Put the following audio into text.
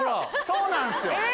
そうなんすよ。